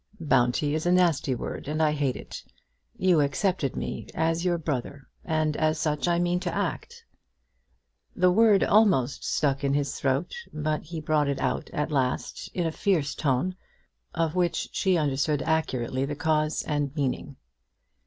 "Bounty is a nasty word, and I hate it. You accepted me, as your brother, and as such I mean to act." The word almost stuck in his throat, but he brought it out at last in a fierce tone, of which she understood accurately the cause and meaning.